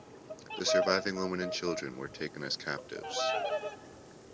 The surviving women and children were taken as captives.